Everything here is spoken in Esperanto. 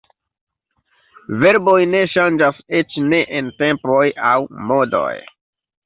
Verboj ne ŝanĝas eĉ ne en tempoj aŭ modoj.